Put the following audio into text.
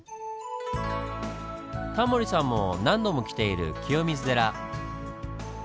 タモリさんも何度も来ている清水寺。